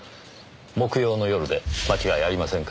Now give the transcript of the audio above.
木曜の夜で間違いありませんか？